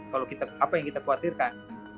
kalau kita apa yang kita khawatirkan